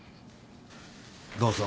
どうぞ。